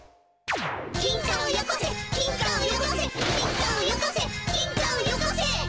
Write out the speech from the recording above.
金貨をよこせ金貨をよこせ金貨をよこせ金貨をよこせ。